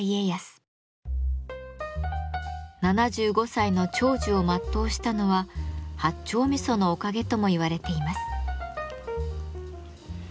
７５歳の長寿を全うしたのは八丁味噌のおかげとも言われています。